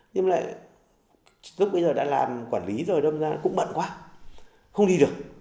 nhưng lại lúc bây giờ đã làm quản lý rồi đâm ra cũng bận quá không đi được